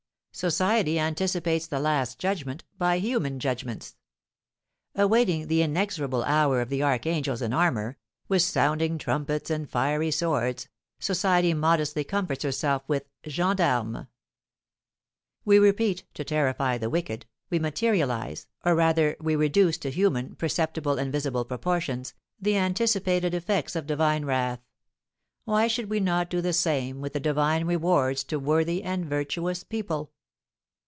Society anticipates the last judgment by human judgments. Awaiting the inexorable hour of the archangels in armour, with sounding trumpets and fiery swords, society modestly comforts herself with gens d'armes. We repeat, to terrify the wicked, we materialise, or rather we reduce to human, perceptible, and visible proportions, the anticipated effects of divine wrath. Why should we not do the same with the divine rewards to worthy and virtuous people?